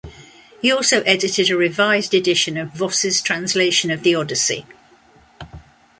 He also edited a revised edition of Voss's translation of the "Odyssey".